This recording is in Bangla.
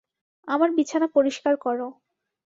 আমার বিছানা পরিষ্কার করো।